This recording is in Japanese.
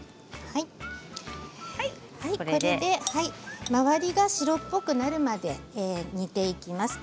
これで周りが白っぽくなるまで煮ていきます。